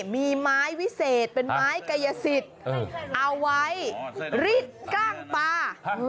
มีไม้วิเศษเป็นไม้กายสิทธิ์เอาไว้ริดกล้างปลา